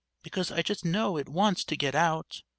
Because I just know it wants to get out.